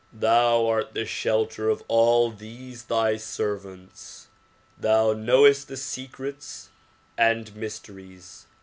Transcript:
Thou art the shelter of all these thy servants. Thou knowest the secrets and mysteries.